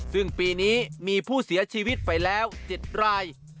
ซึ่งปีนี้มีผู้เสียชีวิตไปแล้ว๗ราย